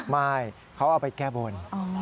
ไม่เขาเอาไปแก้บน